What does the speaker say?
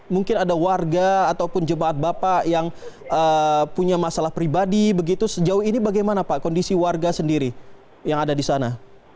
mungkin ada warga ataupun jebat bapak yang punya masalah pribadi begitu sejauh ini bagaimana pak kondisi warga sendiri yang ada di sana